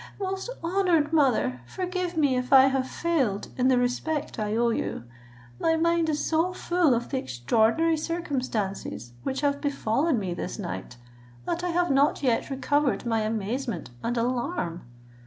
most honoured mother, forgive me if I have failed in the respect I owe you. My mind is so full of the extraordinary circumstances which have befallen me this night, that I have not yet recovered my amazement and alarm."